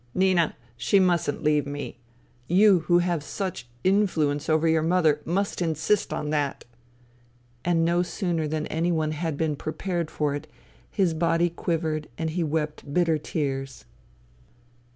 " Nina, she mustn't leave me. You who have such influence over your mother must insist on that." And sooner than any one had been prepared for it his body quivered and he wept bitter tears.